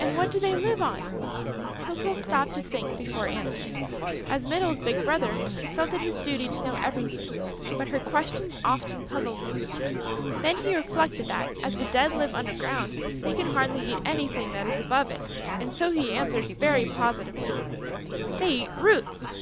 "And what do they live on?" Tyltyl stopped to think, before answering. As Mytyl's big brother, he felt it his duty to know everything; but her questions often puzzled him. Then he reflected that, as the Dead live under ground, they can hardly eat anything that is above it; and so he answered very positively: "They eat roots!"